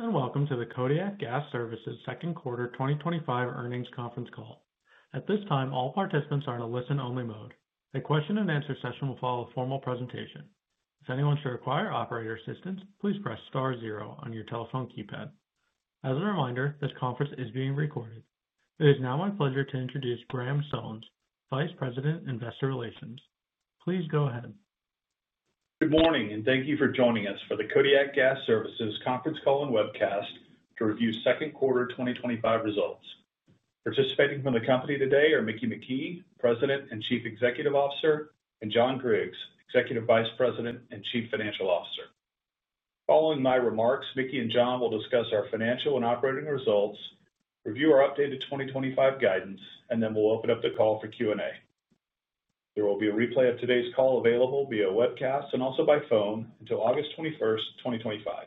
Welcome to the Kodiak Gas Services second quarter 2025 earnings conference call. At this time, all participants are in a listen-only mode. A question and answer session will follow a formal presentation. If anyone should require operator assistance, please press Star zero on your telephone keypad. As a reminder, this conference is being recorded. It is now my pleasure to introduce Graham Sones, Vice President, Investor Relations. Please go ahead. Good morning and thank you for joining us for the Kodiak Gas Services conference call and webcast to review second quarter 2025 results. Participating from the company today are Mickey McKee, President and Chief Executive Officer, and John Griggs, Executive Vice President and Chief Financial Officer. Following my remarks, Mickey and John will discuss our financial and operating results, review our updated 2025 guidance, and then we'll open up the call for Q&A. There will be a replay of today's call available via webcast and also by phone until August 21st, 2025.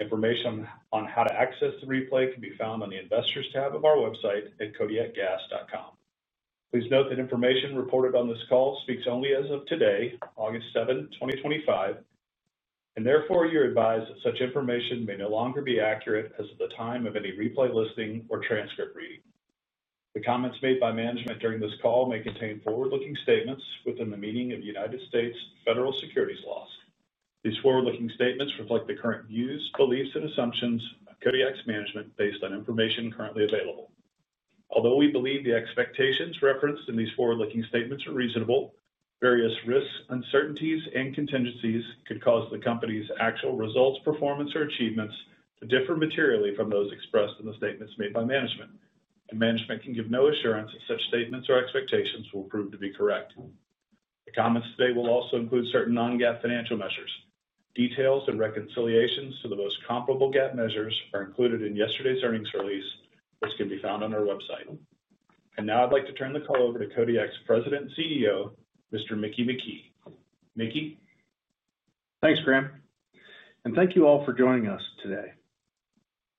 Information on how to access the replay can be found on the Investors tab of our website at kodiakgas.com. Please note that information reported on this call speaks only as of today, August 7th, 2025, and therefore you're advised that such information may no longer be accurate as of the time of any replay listening or transcript reading. The comments made by management during this call may contain forward-looking statements within the meaning of the United States Federal securities laws. These forward-looking statements reflect the current views, beliefs, and assumptions of Kodiak's management based on information currently available. Although we believe the expectations referenced in these forward-looking statements are reasonable, various risks, uncertainties, and contingencies could cause the company's actual results, performance, or achievements to differ materially from those expressed in the statements made by management, and management can give no assurance that such statements or expectations will prove to be correct. The comments today will also include certain non-GAAP financial measures. Details and reconciliations to the most comparable GAAP measures are included in yesterday's earnings release, which can be found on our website. Now I'd like to turn the call over to Kodiak's President and CEO, Mr. Mickey McKee. Mickey. Thanks Graham and thank you all for joining us. Today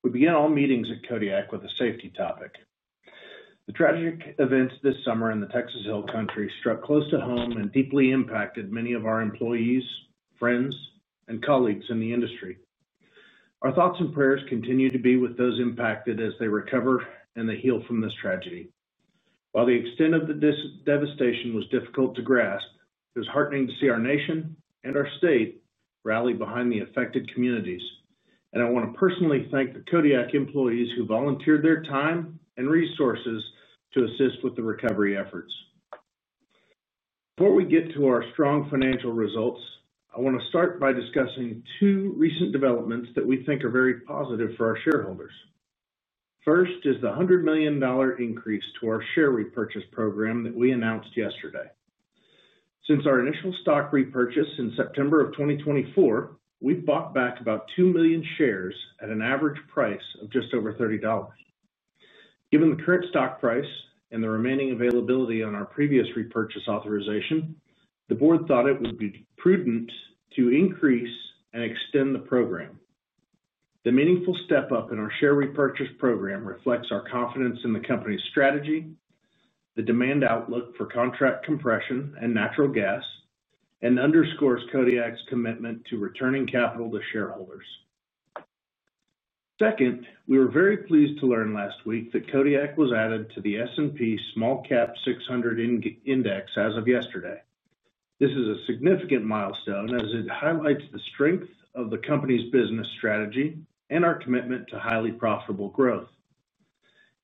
we begin all meetings at Kodiak with a safety topic. The tragic events this summer in the Texas Hill Country struck close to home and deeply impacted many of our employees, friends, and colleagues in the industry. Our thoughts and prayers continue to be with those impacted as they recover and heal from this tragedy. While the extent of the devastation was difficult to grasp, it was heartening to see our nation and our state rally behind the affected communities. I want to personally thank the Kodiak employees who volunteered their time and resources to assist with the recovery efforts. Before we get to our strong financial results, I want to start by discussing two recent developments that we think are very positive for our shareholders. First is the $100 million increase to our share repurchase program that we announced yesterday. Since our initial stock repurchase in September of 2024, we've bought back about 2 million shares at an average price of just over $30. Given the current stock price and the remaining availability on our previous repurchase authorization, the Board thought it would be prudent to increase and extend the program. The meaningful step up in our share repurchase program reflects our confidence in the company's strategy and the demand outlook for contract compression and natural gas and underscores Kodiak's commitment to returning capital to shareholders. Second, we were very pleased to learn last week that Kodiak was added to the S&P SmallCap 600 Index as of yesterday. This is a significant milestone as it highlights the strength of the company's business strategy and our commitment to highly profitable growth.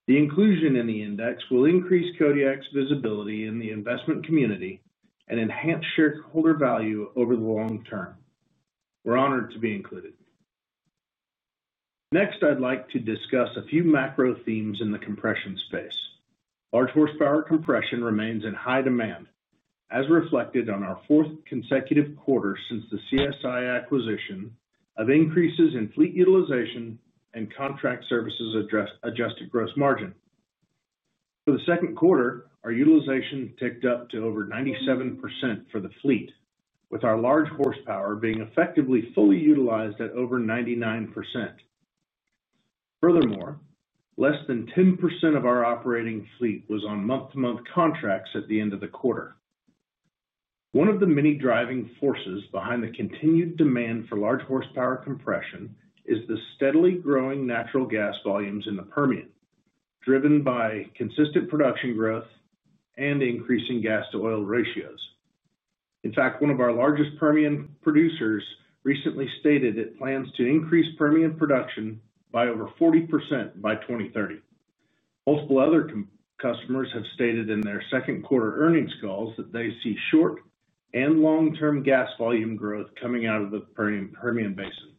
The inclusion in the index will increase Kodiak's visibility in the investment community and enhance shareholder value over the long term. We're honored to be included. Next, I'd like to discuss a few macro themes in the compression space. Large horsepower compression remains in high demand as reflected on our fourth consecutive quarter since the CSI acquisition of increases in fleet utilization and contract compression services Adjusted Gross Margin. For the second quarter, our utilization ticked up to over 97% for the fleet, with our large horsepower being effectively fully utilized at over 99%. Furthermore, less than 10% of our operating fleet was on month-to-month contracts at the end of the quarter. One of the many driving forces behind the continued demand for large horsepower compression is the steadily growing natural gas volumes in the Permian driven by consistent production growth and increasing gas to oil ratios. In fact, one of our largest Permian producers recently stated it plans to increase Permian production by over 40% by 2030. Multiple other customers have stated in their second quarter earnings calls that they see short and long term gas volume growth coming out of the Permian Basin.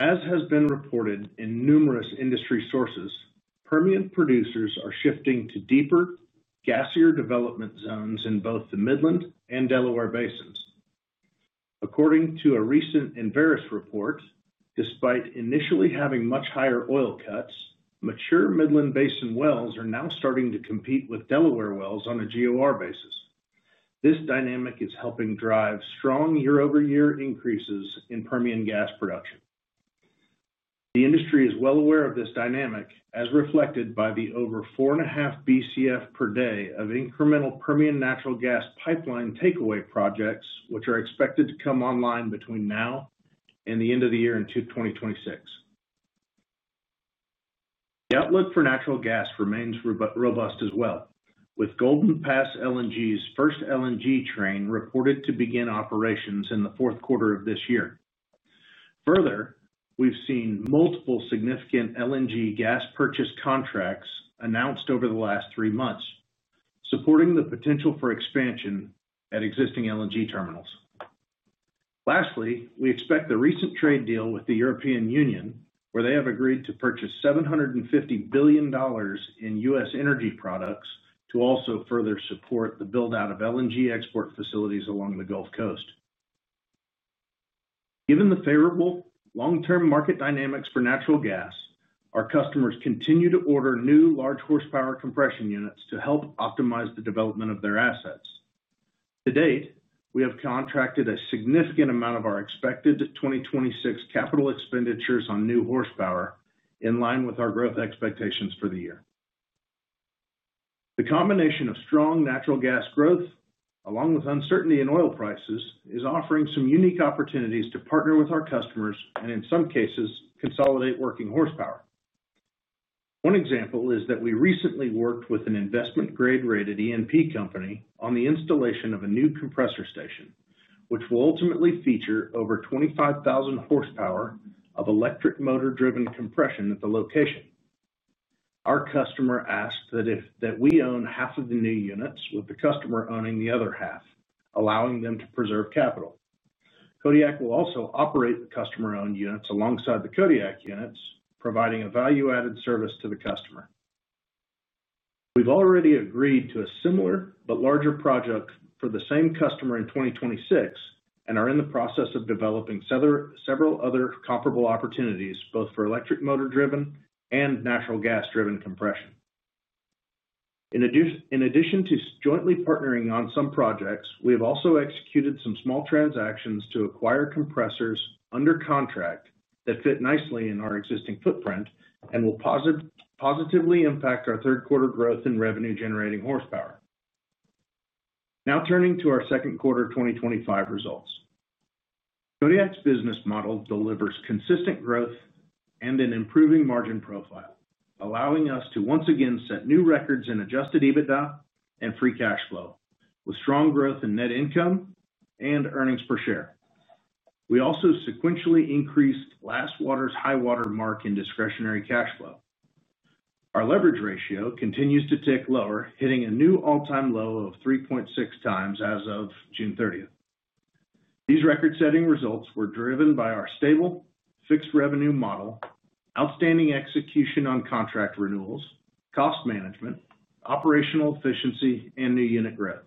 As has been reported in numerous industry sources, Permian producers are shifting to deeper, gassier development zones in both the Midland and Delaware basins. According to a recent Enverus report, despite initially having much higher oil cuts, mature Midland Basin wells are now starting to compete with Delaware wells on a GOR basis. This dynamic is helping drive strong year-over-year increases in Permian gas production. The industry is well aware of this dynamic as reflected by the over four and a half BCF per day of incremental Permian natural gas pipeline takeaway projects which are expected to come online between now and the end of the year in 2026. The outlook for natural gas remains robust as well, with Golden Pass LNG's first LNG train reported to begin operations in the fourth quarter of this year. Further, we've seen multiple significant LNG gas purchase contracts announced over the last three months supporting the potential for expansion at existing LNG terminals. Lastly, we expect the recent trade deal with the European Union where they have agreed to purchase $750 billion in U.S. energy products to also further support the build out of LNG export facilities along the Gulf Coast. Given the favorable long term market dynamics for natural gas, our customers continue to order new large horsepower compression units to help optimize the development of their assets. To date, we have contracted a significant amount of our expected 2026 capital expenditures on new horsepower in line with our growth expectations for the year. The combination of strong natural gas growth along with uncertainty in oil prices is offering some unique opportunities to partner with our customers and in some cases consolidate working horsepower. One example is that we recently worked with an investment grade rated E&P company on the installation of a new compressor station which will ultimately feature over 25,000 horsepower of electric motor driven compression at the location. Our customer asked that we own half of the new units with the customer owning the other half, allowing them to preserve capital. Kodiak will also operate the customer owned units alongside the Kodiak units, providing a value added service to the customer. We've already agreed to a similar but larger project for the same customer in 2026 and are in the process of developing several other comparable opportunities both for electric motor driven and natural gas driven compression. In addition to jointly partnering on some projects, we have also executed some small transactions to acquire compressors under contract that fit nicely in our existing footprint and will positively impact our third quarter growth in Revenue Generating Horsepower. Now turning to our second quarter 2025 results, Kodiak's business model delivers consistent growth and an improving margin profile, allowing us to once again set new records in Adjusted EBITDA and free cash flow with strong growth in net income and earnings per share. We also sequentially increased last quarter's high water mark in Discretionary Cash Flow. Our leverage ratio continues to tick lower, hitting a new all time low of 3.6x as of June 30th. These record setting results were driven by our stable fixed revenue model, outstanding execution on contract renewals, cost management, operational efficiency, and new unit growth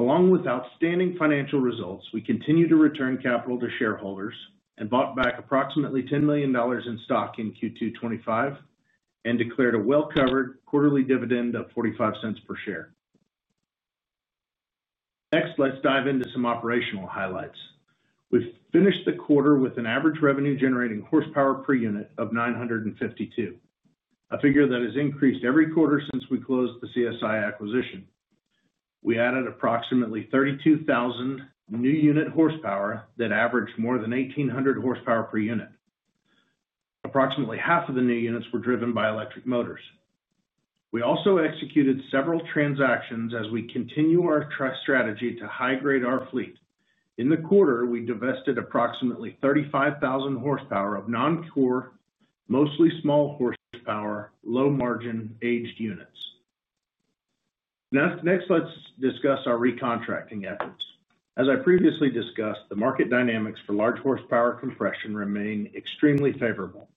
along with outstanding financial results. We continue to return capital to shareholders and bought back approximately $10 million in stock in Q2 2025 and declared a well covered quarterly dividend of $0.45 per share. Next, let's dive into some operational highlights. We finished the quarter with an average Revenue Generating Horsepower per unit of 952, a figure that has increased every quarter since we closed the CSI acquisition. We added approximately 32,000 new unit horsepower that averaged more than 1,800 horsepower per unit. Approximately half of the new units were driven by electric motors. We also executed several transactions as we continue our trust strategy to high grade our fleet. In the quarter, we divested approximately 35,000 horsepower of non-core, mostly small horsepower, low margin aged units. Next, let's discuss our recontracting efforts. As I previously discussed, the market dynamics for large horsepower compression remain extremely favorable.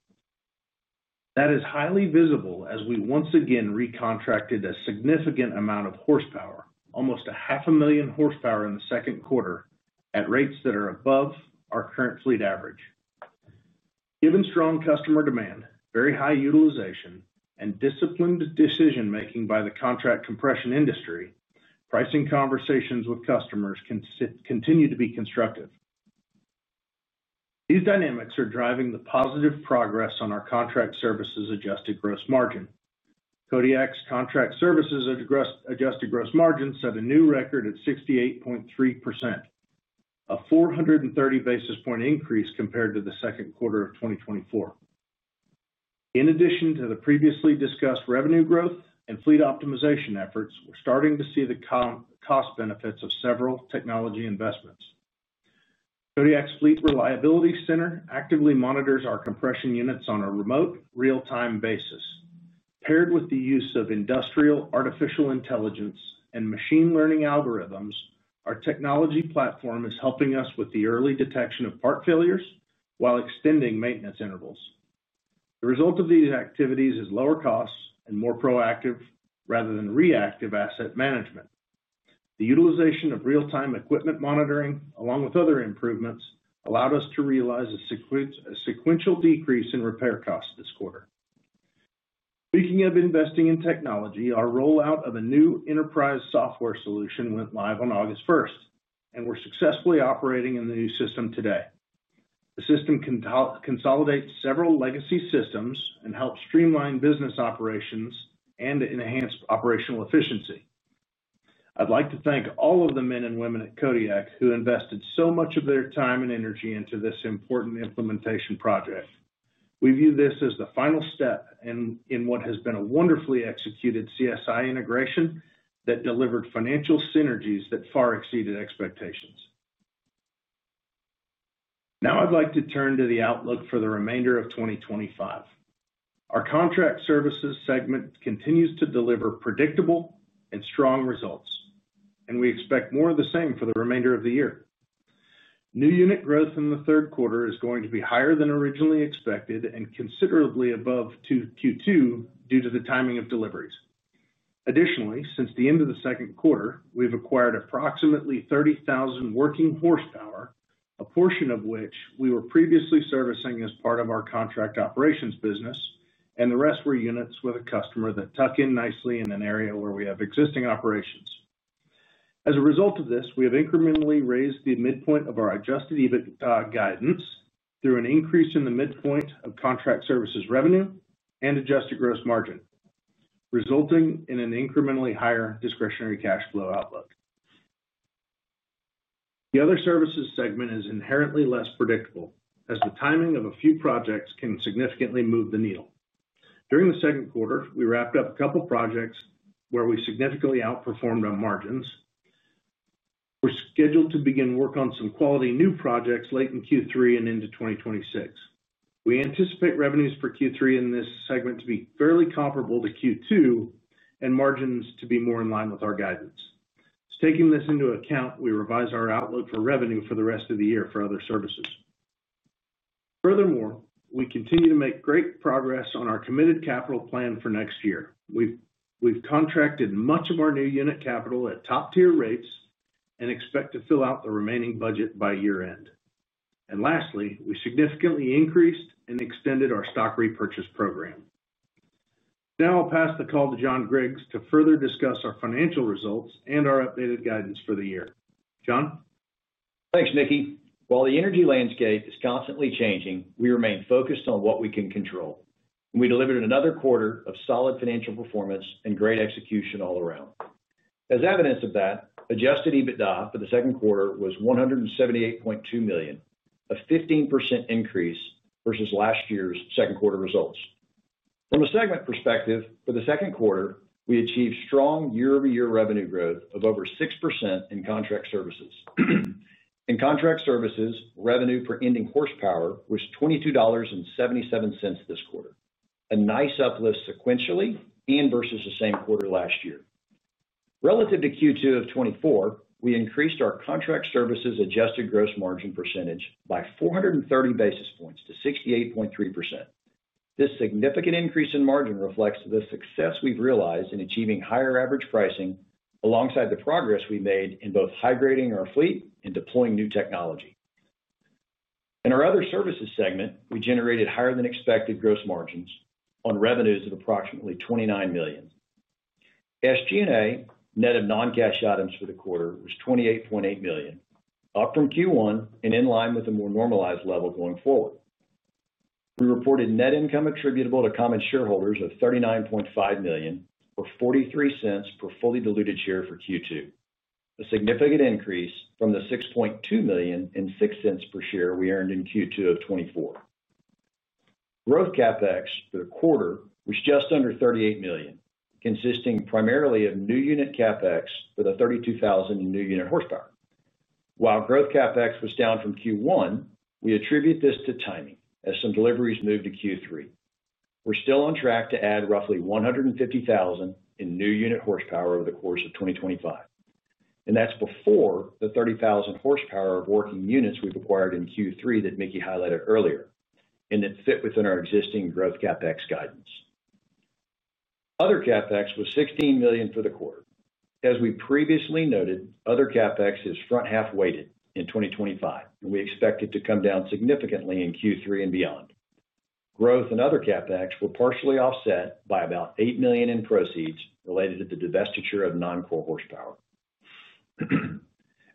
That is highly visible as we once again recontracted a significant amount of horsepower, almost $0.5 million horsepower in the second quarter at rates that are above our current fleet average. Given strong customer demand, very high utilization, and disciplined decision making by the contract compression industry, pricing conversations with customers continue to be constructive. These dynamics are driving the positive progress on our contract services Adjusted Gross Margin. Kodiak's contract services Adjusted Gross Margin set a new record at 68.3%, a 430 basis point increase compared to the second quarter of 2024. In addition to the previously discussed revenue growth and fleet optimization efforts, we're starting to see the cost benefits of several technology investments. Kodiak's Fleet Reliability Center actively monitors our compression units on a remote real time basis. Paired with the use of industrial AI and machine learning algorithms, our technology platform is helping us with the early detection of part failures while extending maintenance intervals. The result of these activities is lower costs and more proactive rather than reactive asset management. The utilization of real time equipment monitoring along with other improvements allowed us to realize a sequential decrease in repair costs this quarter. Speaking of investing in technology, our rollout of a new enterprise resource planning system went live on August 1st and we're successfully operating in the new system today. The system can consolidate several legacy systems and help streamline business operations and enhance operational efficiency. I'd like to thank all of the men and women at Kodiak who invested so much of their time and energy into this important implementation project. We view this as the final step in what has been a wonderfully executed CSI integration that delivered financial synergies that far exceeded expectations. Now I'd like to turn to the outlook for the remainder of 2025. Our contract services segment continues to deliver predictable and strong results and we expect more of the same for the remainder of the year. New unit growth in the third quarter is going to be higher than originally expected and considerably above Q2 due to the timing of deliveries. Additionally, since the end of the second quarter, we've acquired approximately 30,000 working horsepower, a portion of which we were previously servicing as part of our contract compression services business, and the rest were units with a customer that tuck in nicely in an area where we have existing operations. As a result of this, we have incrementally raised the midpoint of our Adjusted EBITDA guidance through an increase in the midpoint of contract services revenue and Adjusted Gross Margin, resulting in an incrementally higher Discretionary Cash Flow outlook. The Other Services segment is inherently less predictable as the timing of a few projects can significantly move the needle. During the second quarter, we wrapped up a couple projects where we significantly outperformed our margins. We're scheduled to begin work on some quality new projects late in Q3 and into 2026. We anticipate revenues for Q3 in this segment to be fairly comparable to Q2 and margins to be more in line with our guidance. Taking this into account, we revise our outlook for revenue for the rest of the year for Other Services. Furthermore, we continue to make great progress on our committed capital plan for next year. We've contracted much of our new unit capital at top tier rates and expect to fill out the remaining budget by year end. Lastly, we significantly increased and extended our share repurchase program. Now I'll pass the call to John Griggs to further discuss our financial results and our updated guidance for the year. John. Thanks Mickey. While the energy landscape is constantly changing, we remain focused on what we can control. We delivered another quarter of solid financial performance and great execution all around. As evidence of that, Adjusted EBITDA for the second quarter was $178.2 million, a 15% increase versus last year's second quarter results. From a segment perspective, for the second quarter we achieved strong year-over-year revenue growth of over 6% in contract services. In contract services revenue, revenue for ending horsepower was $22.77 this quarter, a nice uplift sequentially and versus the same quarter last year. Relative to Q2 of 2024, we increased our Contract Compression Services Adjusted Gross Margin percentage by 430 basis points to 68.3%. This significant increase in margin reflects the success we've realized in achieving higher average pricing alongside the progress we made in both high grading our fleet and in deploying new technology. In our Other Services segment, we generated higher than expected gross margins on revenues of approximately $29 million. SG&A net of non-cash items for the quarter was $28.8 million, up from Q1 and in line with a more normalized level going forward. We reported net income attributable to common shareholders of $39.5 million or $0.43 per fully diluted share for Q2, a significant increase from the $6.2 million or $0.06 per share we earned in Q2 of 2024. Growth CapEx for the quarter was just under $38 million, consisting primarily of new unit CapEx with 32,000 new unit horsepower. While growth CapEx was down from Q1, we attribute this to timing as some deliveries moved to Q3. We're still on track to add roughly 150,000 in new unit horsepower over the course of 2025 and that's before the 30,000 horsepower of working units we've acquired in Q3 that Mickey highlighted earlier and that fit within our existing growth CapEx guidance. Other CapEx was $16 million for the quarter. As we previously noted, other CapEx is front half weighted in 2025 and we expect it to come down significantly in Q3 and beyond. Growth and other CapEx were partially offset by about $8 million in proceeds related to the divestiture of non-core horsepower.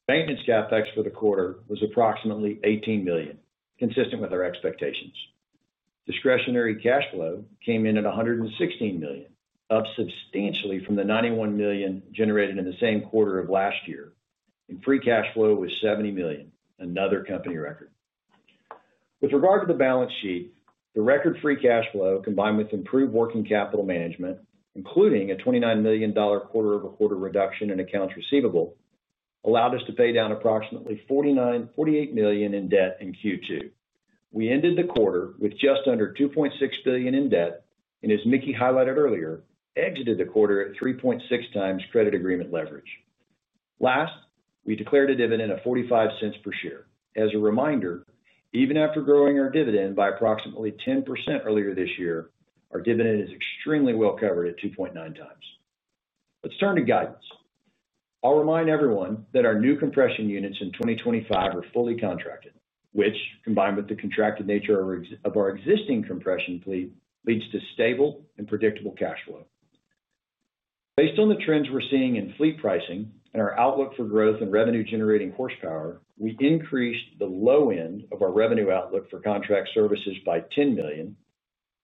Maintenance CapEx for the quarter was approximately $18 million. Consistent with our expectations, Discretionary Cash Flow came in at $116 million, up substantially from the $91 million generated in the same quarter of last year, and free cash flow was $70 million, another company record with regard to the balance sheet. The record free cash flow combined with improved working capital management, including a $29 million quarter-over-quarter reduction in accounts receivable, allowed us to pay down approximately $49.48 million in debt in Q2. We ended the quarter with just under $2.6 billion in debt, and as Mickey highlighted earlier, exited the quarter at 3.6x credit agreement leverage. Last, we declared a dividend of $0.45 per share. As a reminder, even after growing our dividend by approximately 10% earlier this year, our dividend is extremely well covered at 2.9x. Let's turn to guidance. I'll remind everyone that our new compression units in 2025 are fully contracted, which, combined with the contracted nature of our existing compression fleet, leads to stable and predictable cash flow. Based on the trends we're seeing in fleet pricing and our outlook for growth in revenue-generating horsepower, we increased the low end of our revenue outlook for contract services by $10 million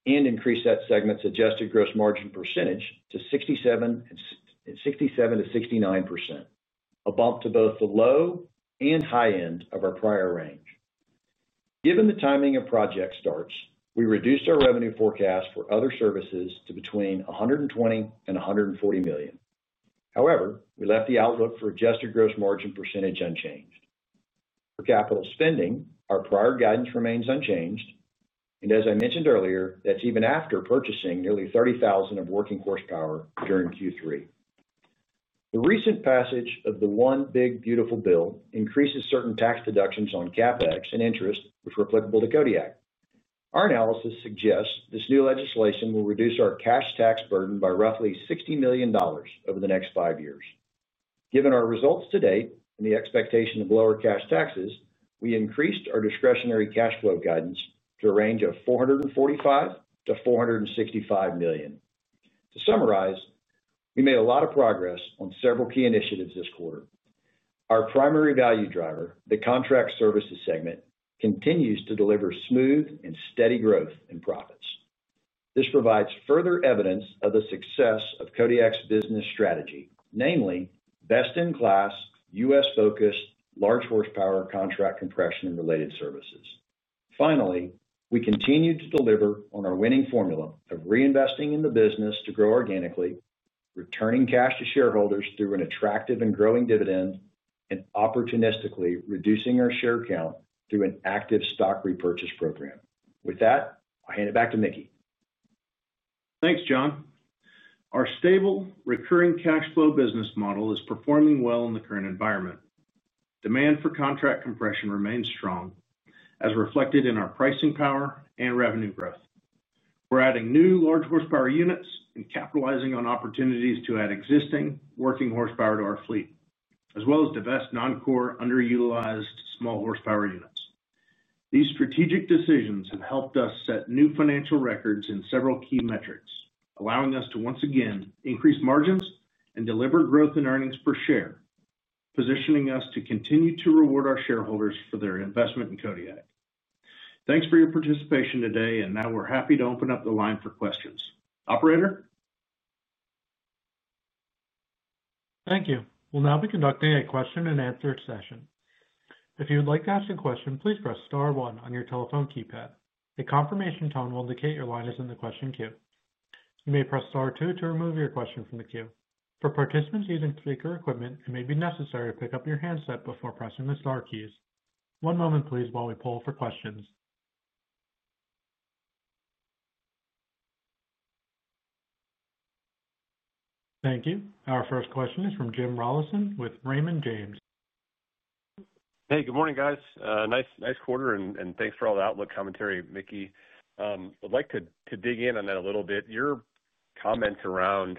and increased that segment's Adjusted Gross Margin percentage to 67% to 69%, a bump to both the low and high end of our prior range. Given the timing of project starts, we reduced our revenue forecast for Other Services to between $120 million and $140 million. However, we left the outlook for Adjusted Gross Margin percentage unchanged. For capital spending, our prior guidance remains unchanged, and as I mentioned earlier, that's even after purchasing nearly 30,000 of working horsepower during Q3. The recent passage of the One Big Beautiful Bill increases certain tax deductions on CapEx and interest, which were applicable to Kodiak. Our analysis suggests this new legislation will reduce our cash tax burden by roughly $60 million over the next five years. Given our results to date and the expectation of lower cash taxes, we increased our Discretionary Cash Flow guidance to a range of $445 million-$465 million. To summarize, we made a lot of progress on several key initiatives this quarter. Our primary value driver, the contract services segment, continues to deliver smooth and steady growth in profits. This provides further evidence of the success of Kodiak's business strategy, namely best-in-class U.S.-focused large horsepower contract compression and related services. Finally, we continue to deliver on our winning formula of reinvesting in the business to grow organically, returning cash to shareholders through an attractive and growing dividend, and opportunistically reducing our share count through an active share repurchase program. With that, I'll hand it back to Mickey. Thanks, John. Our stable recurring cash flow business model is performing well in the current environment. Demand for contract compression remains strong as reflected in our pricing power and revenue growth. We're adding new large horsepower units and capitalizing on opportunities to add existing working horsepower to our fleet as well as divest non-core underutilized small horsepower units. These strategic decisions have helped us set new financial records in several key metrics, allowing us to once again increase margins and deliver growth in earnings per share, positioning us to continue to reward our shareholders for their investment in Kodiak. Thanks for your participation today and now we're happy to open up the line for questions. Operator. Thank you. We'll now be conducting a question and answer session. If you would like to ask a question, please press Star one on your telephone keypad. A confirmation tone will indicate your line is in the question queue. You may press Star two to remove your question from the queue. For participants using speaker equipment, it may be necessary to pick up your handset before pressing the star keys. One moment please, while we poll for questions. Thank you. Our first question is from Jim Rollyson with Raymond James. Hey, good morning guys. Nice, nice quarter and thanks for all the outlook commentary, Mickey, would like to dig in on that a little bit. Your comments around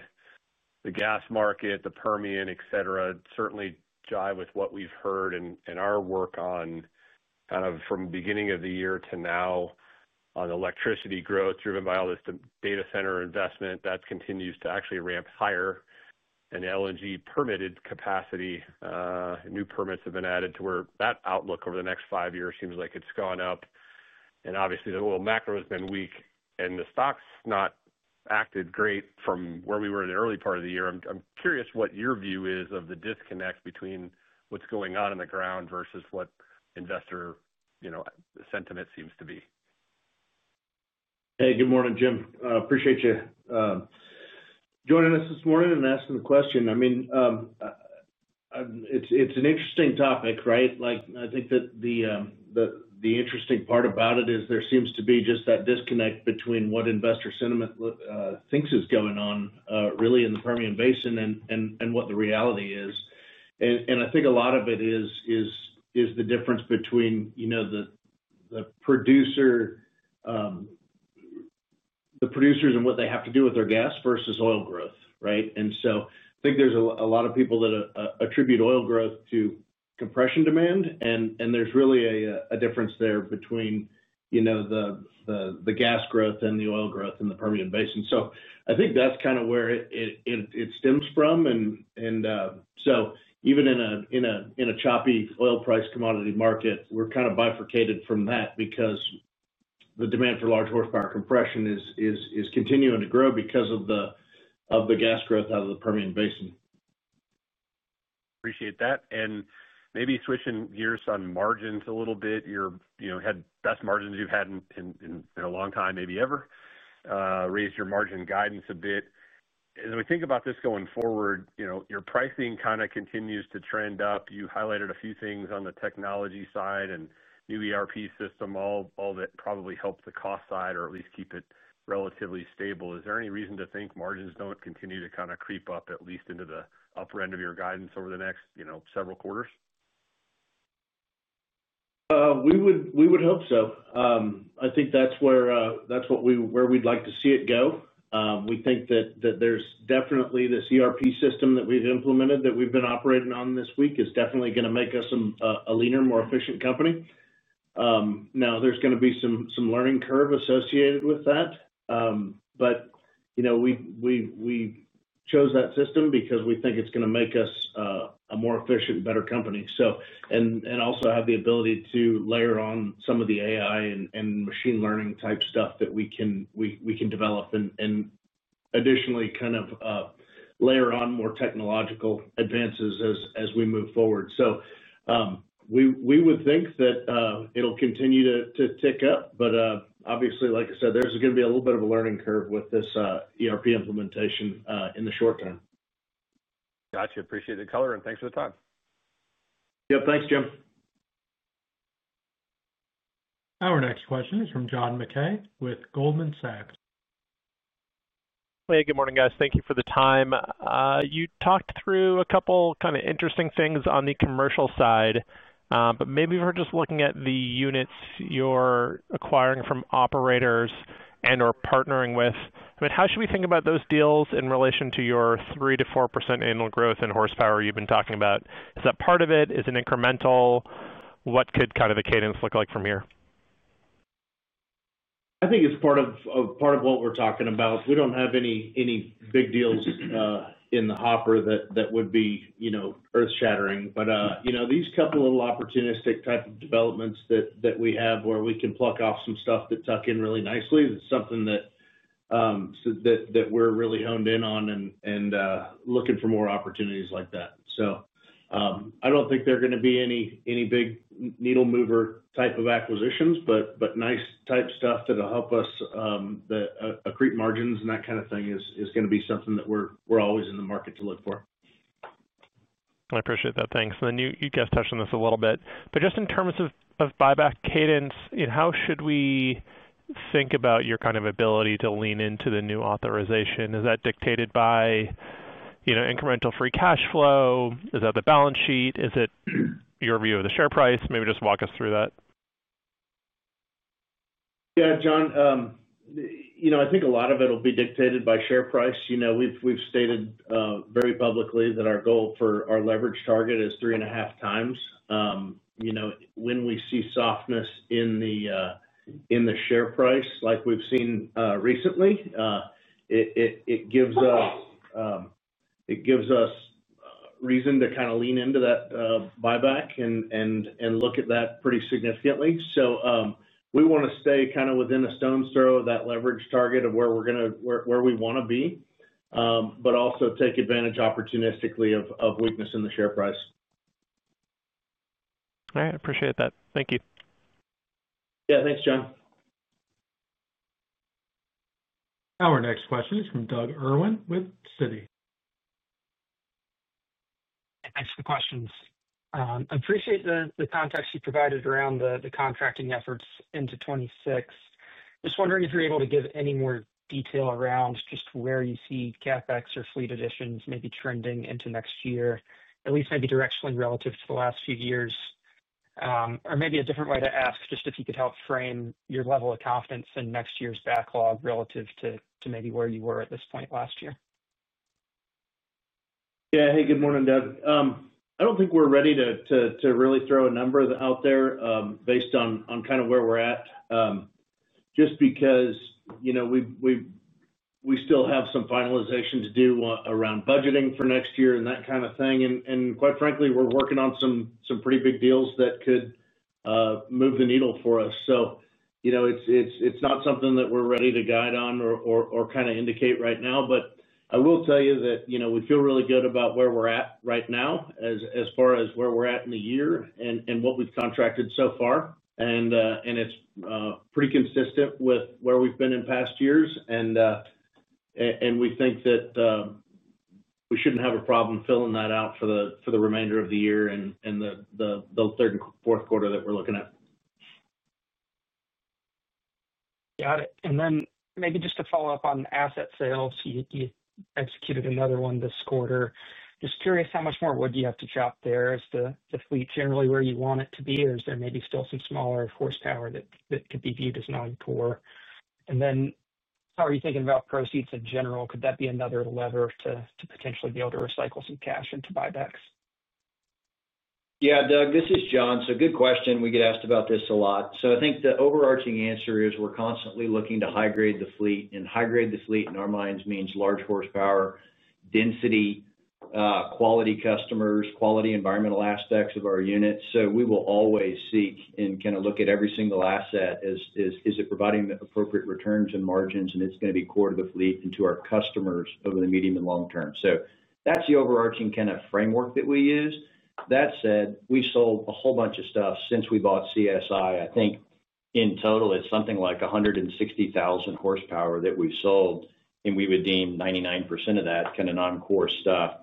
the gas market, the Permian, et cetera, certainly jive with what we've heard. Our work on kind of from beginning of the year to now on electricity growth driven by all this data center investment that continues to actually ramp higher and LNG permitted capacity. New permits have been added to where that outlook over the next five years seems like it's gone up and obviously the oil macro has been weak and the stock's not acted great from where we were in the early part of the year. I'm curious what your view is of the disconnect between what's going on in the ground versus what investor sentiment seems to be. Hey, good morning, Jim. Appreciate you joining us this morning and asking the question. I mean, it's an interesting topic, right? I think that the interesting part about it is there seems to be just that disconnect between what investor sentiment thinks is going on really in the Permian Basin and what the reality is. I think a lot of it is the difference between the producers and what they have to do with their gas versus oil growth. Right. I think there's a lot of people that attribute oil growth to compression demand. There's really a difference there between the gas growth and the oil growth in the Permian Basin. I think that's kind of where it stems from. Even in a choppy oil price commodity market, we're kind of bifurcated from that because the demand for large horsepower compression is continuing to grow because of the gas growth out of the Permian Basin. Appreciate that. Maybe switching gears on margins a little bit, best margins you've had in a long time, maybe ever, raise your margin guidance a bit. As we think about this going forward, your pricing kind of continues to trend up. You highlighted a few things on the technology side and new ERP system. All that probably helped the cost side or at least keep it relatively stable. Is there any reason to think margins don't continue to creep up at least into the upper end of your guidance over the next several quarters? We would hope so. I think that's where we'd like to see it go. We think that there's definitely the ERP system that we've implemented that we've been operating on this week is definitely going to make us a leaner, more efficient company. There's going to be some learning curve associated with that. We chose that system because we think it's going to make us a more efficient, better company. Also have the ability to layer on some of the AI and machine learning type stuff that we can develop and additionally kind of layer on more technological advances as we move forward. We would think that it'll continue to tick up. Obviously, like I said, there's going to be a little bit of a learning curve with this ERP implementation in the short term. Gotcha. Appreciate the color and thanks for the time. Yep, thanks, Jim. Our next question is from John Mackay with Goldman Sachs Group. Hey, good morning guys. Thank you for the time. You talked through a couple kind of interesting things on the commercial side, but maybe we're just looking at the units you're acquiring from operators and, or partnering with. How should we think about those deals in relation to your 3%-4% annual growth in horsepower you've been talking about? Is that part of it? Is it incremental? What could kind of the cadence look like from here? I think it's part of what we're talking about. We don't have any big deals in the hopper that would be, you know, earth shattering. These couple of opportunistic type of developments that we have where we can pluck off some stuff that tuck in really nicely is something that we're really honed in on and looking for more opportunities like that. I don't think there are going to be any big needle mover type of acquisitions, but nice type stuff that'll help us accrete margins and that kind of thing is going to be something that we're always in the market to look for. I appreciate that. Thanks. Then you guys touched on this a little bit. Just in terms of buyback cadence, how should we think about your kind of ability to lean into the new authorization? Is that dictated by incremental free cash flow? Is that the balance sheet? Is it your view of the share price? Maybe just walk us through that. Yeah, John, I think a lot of it'll be dictated by share price. We've stated very publicly that our goal for our leverage target is 3.5x. When we see softness in the share price like we've seen recently, it gives us reason to kind of lean into that buyback and look at that pretty significantly. We want to stay kind of within a stone's throw of that leverage target of where we want to be, but also take advantage opportunistically of weakness in the share price. All right, appreciate that. Thank you. Yeah, thanks, John. Our next question is from Doug Irwin with Citi. Thanks for the questions. I appreciate the context you provided around the contracting efforts into 2026. Just wondering if you're able to give any more detail around just where you see CapEx or fleet additions maybe trending into next year at least maybe directionally relative to the last few years, or maybe a different way to ask just if you could help frame your level of confidence in next year's backlog relative to maybe where you were at this point last year. Yeah. Hey, good morning, Doug. I don't think we're ready to really throw a number out there based on kind of where we're at just because we still have some finalization to do around budgeting for next year and that kind of thing. Quite frankly, we're working on some pretty big deals that could move the needle for us. It's not something that we're ready to guide on or kind of indicate right now. We feel really good about where we're at right now as far as where we're at in the year and what we've contracted so far. It's pretty consistent with where we've been in past years, and we think that we shouldn't have a problem filling that out for the remainder of the year and the third and fourth quarter that we're looking at. Got it. Maybe just to follow up on asset sales, you executed another one this quarter. Just curious, how much more wood do you have to chop there? Is the fleet generally where you want it to be, or is there maybe still some smaller horsepower that could be viewed as non-core? How are you thinking about proceeds in general? Could that be another lever to potentially be able to recycle some cash into buybacks? Yeah, Doug, this is John. Good question. We get asked about this a lot. I think the overarching answer is we're constantly looking to high grade the fleet, and high grade the fleet in our minds means large horsepower, density, quality customers, quality environmental aspects of our units. We will always seek and look at every single asset, is it providing the appropriate returns and margins. It's going to be core to the fleet and to our customers over the medium and long term. That's the overarching kind of framework that we use. That said, we sold a whole bunch of stuff since we bought CSI. I think in total it's something like 160,000 horsepower that we've sold and we would deem 99% of that kind of non core stuff.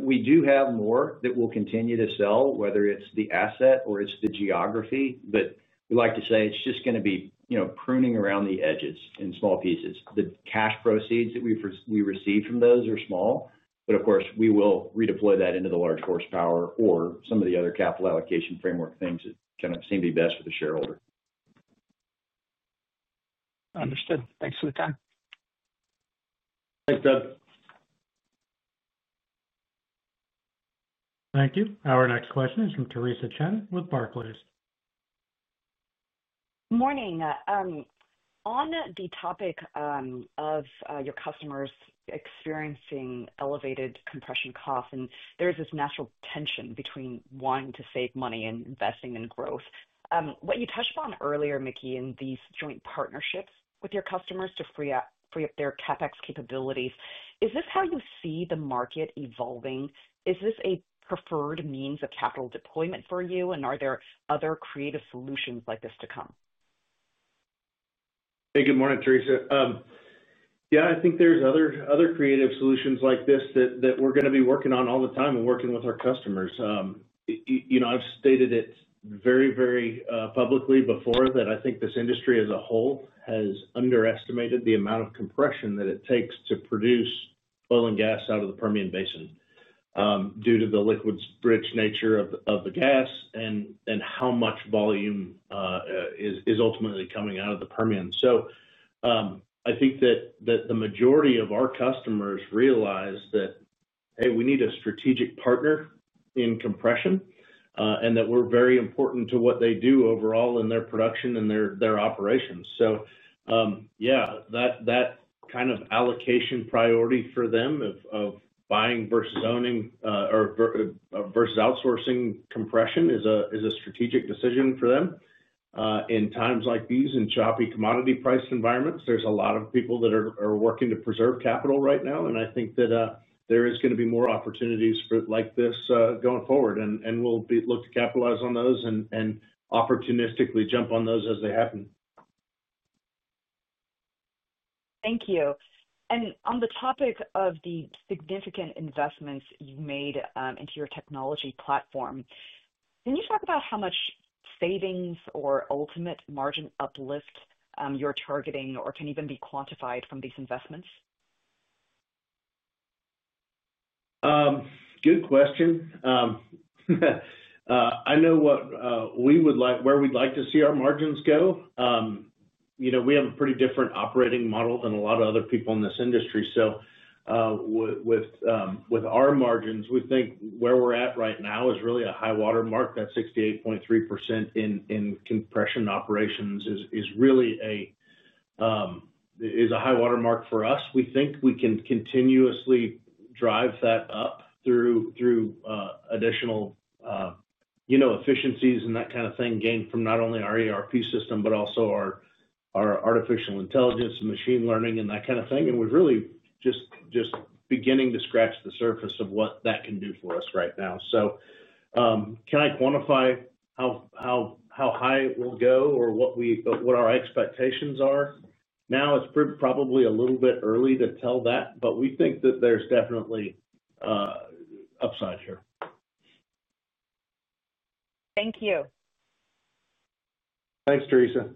We do have more that we'll. Continue to sell whether it's the asset or it's the geography. We like to say it's just going to be, you know, pruning around the edges in small pieces. The cash proceeds that we received from those are small. Of course, we will redeploy that into the large horsepower or some of the other capital allocation framework things that kind of seem to be best for the shareholder. Understood. Thanks for the time. Thanks, Doug. Thank you. Our next question is from Theresa Chen with Barclays. Morning. On the topic of your customers experiencing elevated compression costs, and there is this natural tension between wanting to save money and investing in growth. What you touched upon earlier, Mickey, in these joint partnerships with your customers to free up their CapEx capabilities, is this how you see the market evolving? Is this a preferred means of capital deployment for you, and are there other creative solutions like this to come? Hey, good morning Theresa. I think there's other creative solutions like this that we're going to be working on all the time and working with our customers. I've stated it very, very publicly before that I think this industry as a whole has underestimated the amount of compression that it takes to produce oil and gas out of the Permian Basin due to the liquids rich nature of the gas and how much volume is ultimately coming out of the Permian. I think that the majority of our customers realize that, hey, we need a strategic partner in compression and that we're very important to what they do overall in their production and their operations. That kind of allocation priority for them of buying versus owning or versus outsourcing compression is a strategic decision for them in times like these, in choppy commodity price environments. There's a lot of people that are working to preserve capital right now and I think that there is going to be more opportunities like this going forward and we'll look to capitalize on those and opportunistically jump on those as they happen. Thank you. On the topic of the significant investments you've made into your technology platform, can you talk about how much savings or ultimate margin uplift you're targeting or can even be quantified from these investments? Good question. I know what we would like, where we'd like to see our margins go. We have a pretty different operating model than a lot of other people in this industry. With our margins, we think where we're at right now is really a high water mark. That 68.3% in compression operations is really a high watermark for us. We think we can continuously drive that up through additional efficiencies and that kind of thing gained from not only our ERP system, but also our artificial intelligence, machine learning, and that kind of thing. We're really just beginning to scratch the surface of what that can do for us right now. Can I quantify how high it will go or what our expectations are now? It's probably a little bit early to tell that, but we think that there's definitely upside here. Thank you. Thanks, Theresa.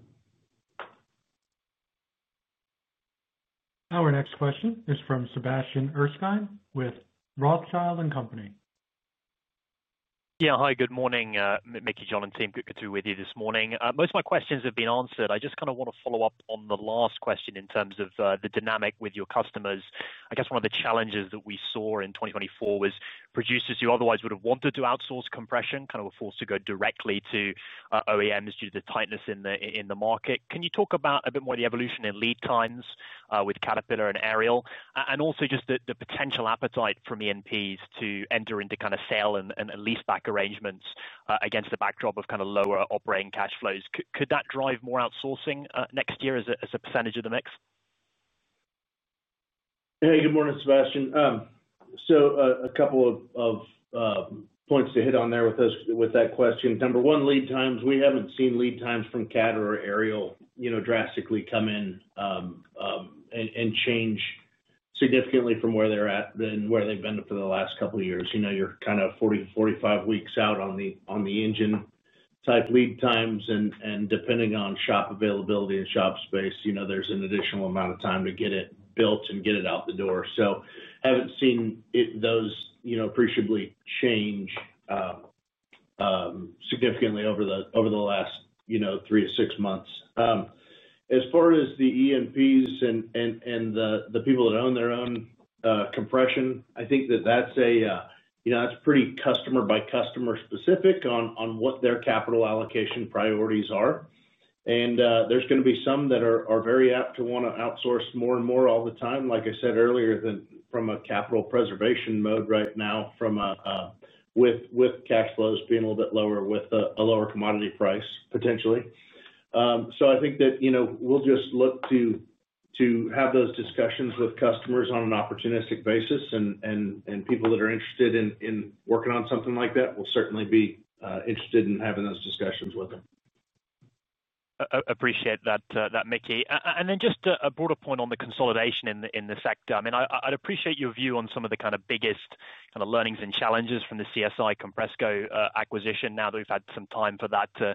Our next question is from Sebastian Erskine with Rothschild and Company. Yeah, hi, good morning. Mickey, John and team. Good to be with you this morning. Most of my questions have been answered. I just kind of want to follow up on the last question in terms of the dynamic with your customers. I guess one of the challenges that we saw in 2024 was producers who otherwise would have wanted to outsource compression kind of were forced to go directly to OEMs due to the tightness in the market. Can you talk about a bit more the evolution in lead times with Caterpillar and Ariel, and also just the potential appetite from E&Ps to enter into kind of sale and leaseback arrangements against the backdrop of kind of lower operating cash flows. Could that drive more outsourcing next year as a percentage of the mix? Hey, good morning, Sebastian. A couple of points to hit on there with us with that question. Number one, lead times. We haven't seen lead times from CAT or Ariel drastically come in and change significantly from where they're at than where they've been for the last couple years. You're kind of 40, 45 weeks out on the engine type lead times. Depending on shop availability and shop space, there's an additional amount of time to get it built and get it out the door. Haven't seen those appreciably change significantly over the last three or six months. As far as the E&Ps and the people that own their own compression, I think that that's pretty customer by customer specific on what their capital allocation priorities are. There are going to be some that are very apt to want to outsource more and more all the time. Like I said earlier, they are in a capital preservation mode right now with cash flows being a little bit lower, with a lower commodity price potentially. I think that we'll just look to have those discussions with customers on an opportunistic basis, and people that are interested in working on something like that will certainly be interested in having those discussions with her. Appreciate that, Mickey. Just a broader point on the consolidation in the sector. I'd appreciate your view on some of the biggest learnings and challenges from the CSI Compressco acquisition now that we've had some time for that to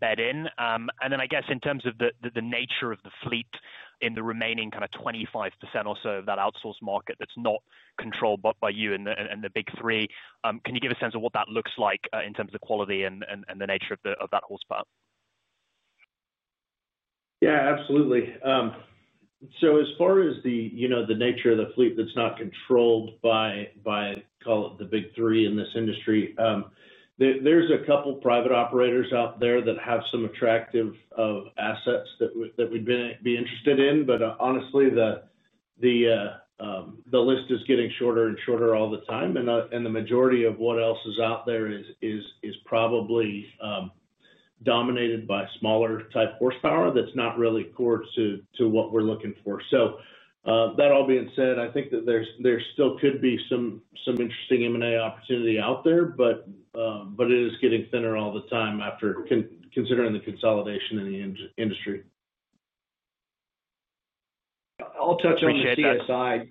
bed in. In terms of the nature of the fleet in the remaining 25% or so of that outsourced market that's not controlled by you and the big three, can you give a sense of what that looks like in terms of quality and the nature of that horsepower? Yeah, absolutely. As far as the nature of the fleet that's not controlled by, call it the big three in this industry, there are a couple of private operators out there that have some attractive assets that we'd be interested in. Honestly, the list is getting shorter and shorter all the time, and the majority of what else is out there is probably dominated by smaller type horsepower. That's not really core to what we're looking for. That all being said, I think that there still could be some interesting M&A opportunity out there, but it is getting thinner all the time after considering the consolidation in the industry. I'll touch on CSI.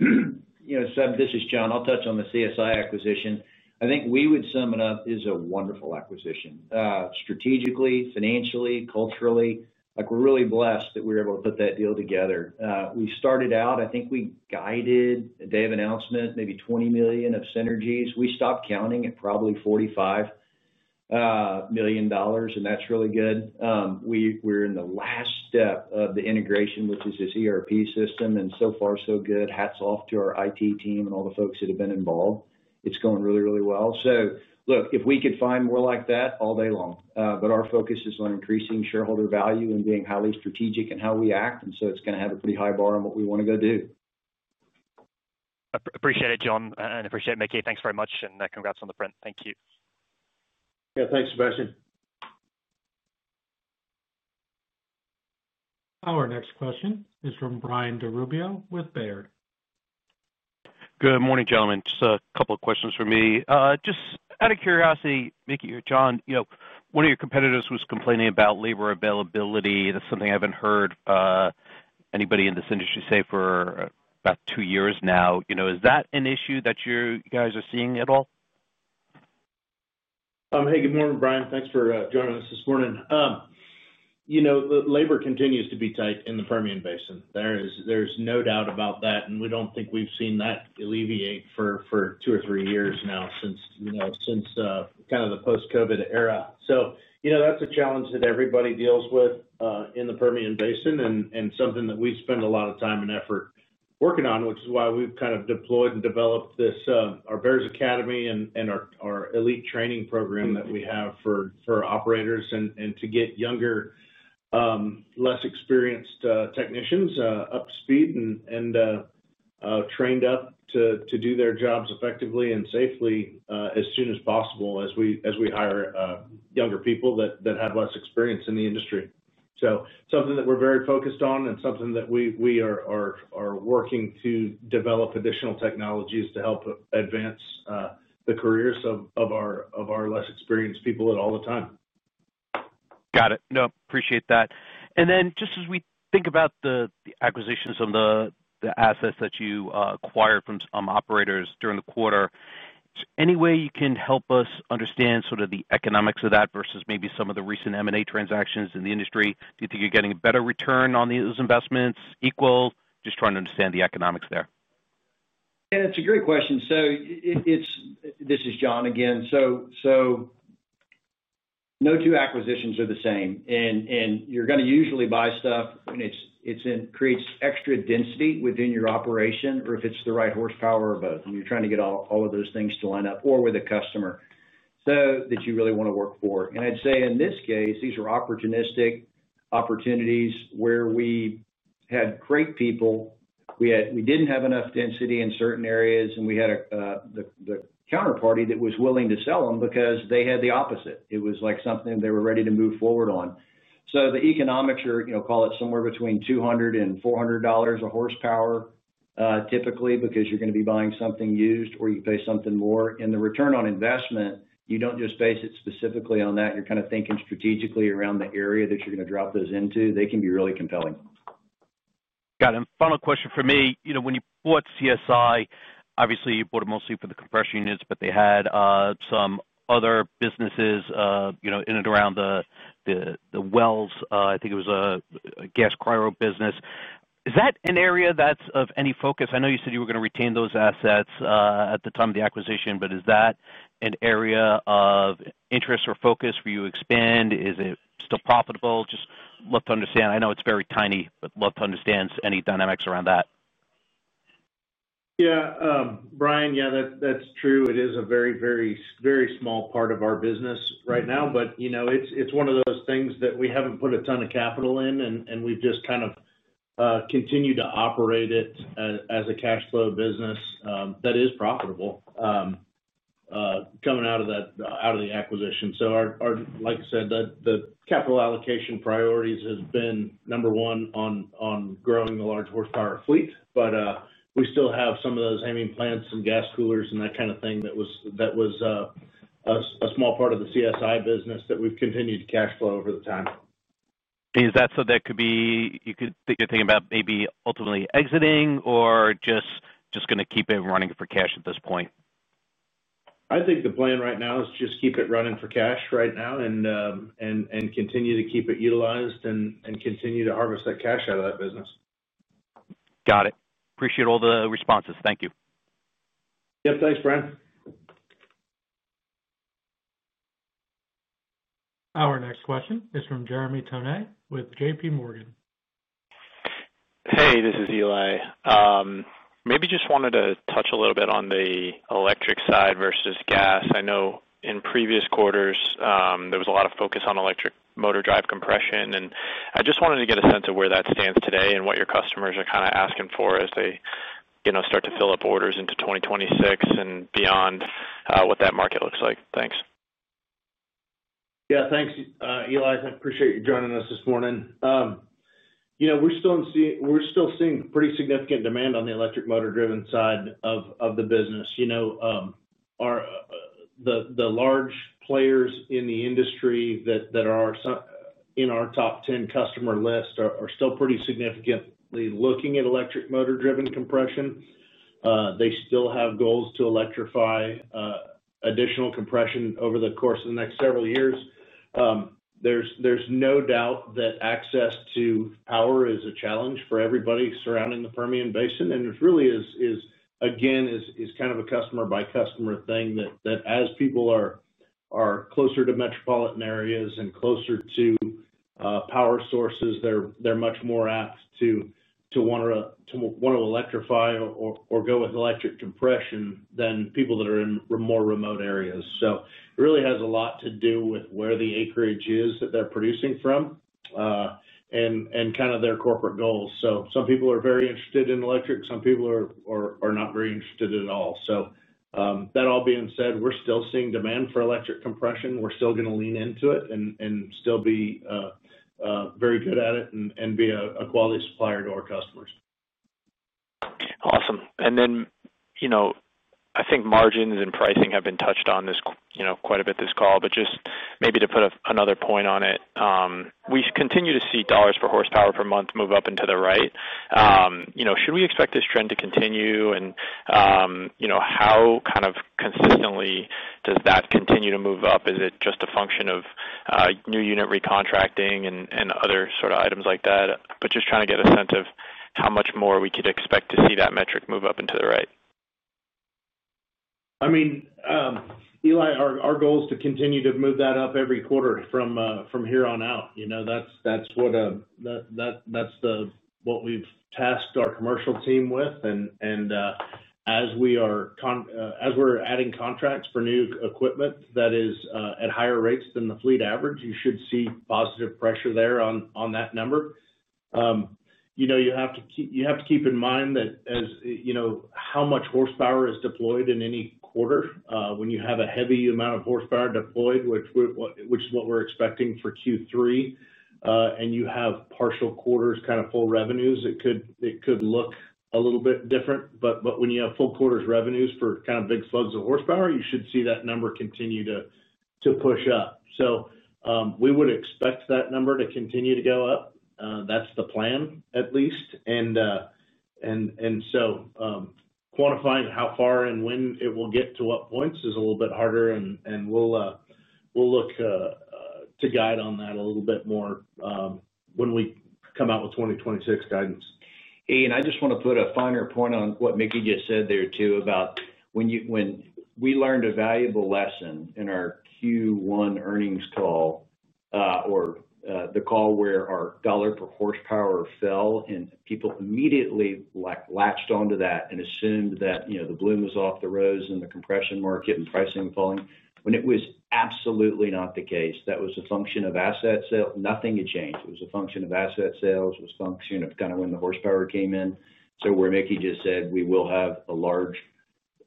You know, this is John. I'll touch on the CSI acquisition. I think we would sum it up as a wonderful acquisition strategically, financially, culturally. We're really blessed that we were. Able to put that deal together. We started out, I think we guided at day of announcement, maybe $20 million of synergies. We stopped counting at probably $45 million. That's really good. We were in the last step of the integration, which is this ERP system. So far, so good. Hats off to our IT team and all the folks that have been involved. It's going really, really well. If we could find more like that all day long. Our focus is on increasing shareholder value and being highly strategic in how we act. It's going to have a pretty high bar on what we want to go do. Appreciate it, John, and appreciate it, Mickey. Thanks very much and congrats on the print. Thank you. Yeah, thanks, Sebastian. Our next question is from Brian DeRubbio with Baird. Good morning, gentlemen. Just a couple of questions for me. Just out of curiosity, Mickey. John, you know, one of your competitors was complaining about labor availability. That's something I haven't heard anybody in this industry say for about two years now. You know, is that an issue? You guys are seeing at all? Hey, good morning, Brian. Thanks for joining us this morning. Labor continues to be tight in the Permian Basin. There is no doubt about that. We don't think we've seen that alleviate for two or three years now since the post COVID era. That's a challenge that everybody deals with in the Permian Basin and something that we spend a lot of time and effort working on, which is why we've deployed and developed our BEARS Academy and our elite training program that we have for operators to get younger, less experienced technicians up to speed and trained to do their jobs effectively and safely as soon as possible as we hire younger people that have less experience in the industry. That's something that we're very focused on and something that we are working to develop additional technologies to help advance the careers of our less experienced people all the time. Got it. Appreciate that. As we think about the acquisitions of the assets that you acquired from operators during the quarter, any. Way you can help us understand, sort. Of the economics of that versus maybe some of the recent M&A. Transactions in the industry, do you think you're getting a better return on these investments? Equal. Just trying to understand the economics there. It's a great question. This is John again. So. No two acquisitions are the same, and you're going to usually buy stuff, and it creates extra density within your operation or if it's the right horsepower or both. You're trying to get all of. Those things to line up or with a customer that you really want to work for. I'd say in this case these are opportunistic opportunities where we had great people, we didn't have enough density in certain areas, and we had the counterparty that was willing to sell them because they had the opposite. It was like something they were ready to move forward on. The economics are, you know, call it somewhere between $200 and $400 a horsepower, typically because you're going to be buying something used or you pay something more, and the return on investment, you don't just base it specifically on that. You're kind of thinking strategically around the area that you're going to drop those into. They can be really compelling. Got a final question for me. You know, when you bought CSI, obviously you bought it mostly for the compression units, but they had some other businesses in and around the wells. I think it was a gas cryo business. Is that an area that's of any focus? I know you said you were going to retain those assets at the time of the acquisition, but is that an area of interest or focus where you expand? Is it still profitable? Just love to understand, I know it's. Very tiny, but love to understand any dynamics around that. Yeah, Brian, that's true. It is a very, very, very small part of our business right now. You know, it's one of those things that we haven't put a ton of capital in, and we've just kind of continued to operate it as a cash flow business that is profitable coming out of that, out of the acquisition. Like I said, the capital allocation priorities has been number one on growing the large horsepower fleet. We still have some of those hanging plants and gas coolers and that kind of thing. That was a small part of the CSI business that we've continued to cash flow over the time. Is that. So that could be, you could think. About maybe ultimately exiting or just going to keep it running for cash at this point. I think the plan right now is just keep it running for cash right now and continue to keep it utilized and continue to harvest that cash out of that business. Got it. Appreciate all the responses. Thank you. Yep. Thanks, Brian. Our next question is from Jeremy Tone with JPMorgan. Hey, this is Eli. Maybe just wanted to touch a little bit on the electric side versus gas. I know in previous quarters there was a lot of focus on electric motor drive compression and I just wanted to get a sense of where that stands today and what your customers are kind of asking for as they, you know, start to fill up orders into 2026 and beyond what that market looks like. Thanks. Yeah, thanks, Eli. I appreciate you joining us this morning. You know, we're still seeing pretty significant demand on the electric motor driven side of the business. The large players in the industry that are in our top 10 customer list are still pretty significantly looking at electric motor driven compression. They still have goals to electrify additional compression over the course of the next several years. There's no doubt that access to power is a challenge for everybody surrounding the Permian Basin. It really is, again, kind of a customer by customer thing that, as people are closer to metropolitan areas and closer to power sources, they're much more apt to want to electrify or go with electric compression than people that are in more remote areas. It really has a lot to do with where the acreage is that they're producing from and kind of their corporate goals. Some people are very interested in electric, some people are not very interested at all. That all being said, we're still seeing demand for electric compression. We're still going to lean into it and still be very good at it and be a quality supplier to our customers. Awesome. I think margins and pricing have been touched on quite a bit this call. Just maybe to put another point on it, we continue to see dollars per horsepower per month move up and to the right. Should we expect this trend to continue and how consistently does that continue to move up? Is it just a function of new unit recontracting and other items like that? Just trying to get a sense of how much more we could expect to see that metric move up and to the right. I mean, Eli, our goal is to continue to move that up every quarter from here on out. That's what we've tasked our commercial team with. As we're adding contracts for new equipment that is at higher rates than the fleet average, you should see positive pressure there on that number. You have to keep in mind that as you know how much horsepower is deployed in any quarter, when you have a heavy amount of horsepower deployed, which is what we're expecting for Q3, and you have partial quarters, kind of full revenues, it could look a little bit different. When you have full quarters revenues for kind of big slugs of horsepower, you should see that number continue to push up. We would expect that number to continue to go up. That's the plan at least. Quantifying how far and when it will get to what points is a little bit harder, and we'll look to guide on that a little bit more when we come out with 2026 guidance. Ian, I just want to put a finer point on what Mickey just said there too about when we learned a valuable lesson in our Q1 Earnings call or the call where our Dollar per horsepower fell, and people immediately latched onto that and assumed that, you know, the bloom was off the rose in the compression market and pricing falling, when it was absolutely not the case. That was a function of asset sale. Nothing had changed. It was a function of asset sales, was a function of kind of when the horsepower came in. Where Mickey just said we will have a large,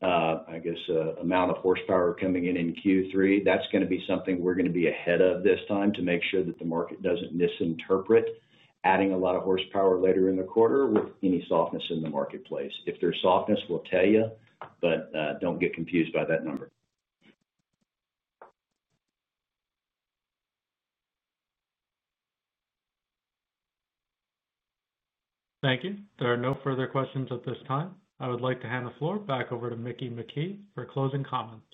I guess, amount of horsepower coming in in Q3, that's going to be something we're going to be ahead of this time to make sure that the market doesn't misinterpret adding a lot of horsepower later in the quarter with any softness in the marketplace. If there's softness, we'll tell you. Don't get confused by that. Thank you. There are no further questions at this time. I would like to hand the floor back over to Mickey McKee for closing comments.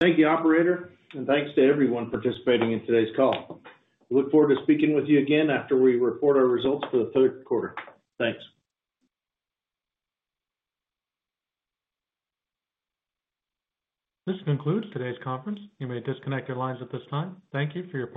Thank you, operator, and thanks to everyone participating in today's call. We look forward to speaking with you again after we report our results for the third quarter. Thanks. This concludes today's conference. You may disconnect your lines at this time. Thank you for your participation.